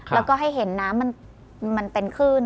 แล้วก็ให้เห็นน้ำมันเป็นคลื่น